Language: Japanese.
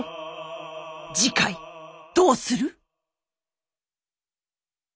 次回どうする？